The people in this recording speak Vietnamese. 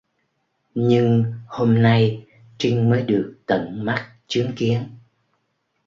Nhưng hôm nay Trinh mới được tận mắt chứng kiến